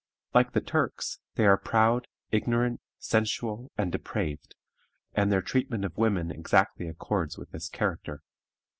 Like the Turks, they are proud, ignorant, sensual, and depraved, and their treatment of women exactly accords with this character.